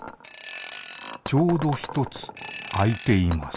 ちょうどひとつあいています